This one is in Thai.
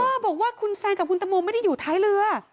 บอกว่าคุณแซนกับคุณตังโมไม่ได้อยู่ท้ายเรือ